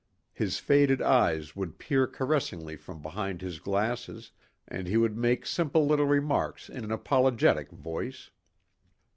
His faded eyes would peer caressingly from behind his glasses and he would make simple little remarks in an apologetic voice.